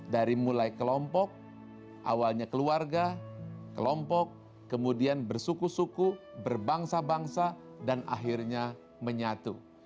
dari mulai kelompok awalnya keluarga kelompok kemudian bersuku suku berbangsa bangsa dan akhirnya menyatu